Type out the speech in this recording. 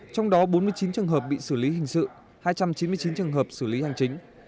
trong đó bốn mươi chín trường hợp bị xử lý hình sự hai trăm chín mươi chín trường hợp xử lý hành chính